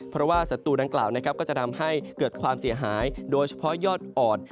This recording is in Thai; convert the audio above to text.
เพราะว่าศัตรูดังกล่าวนะครับก็จะทำให้เกิดความเสียหายโดยเฉพาะยอดอ่อน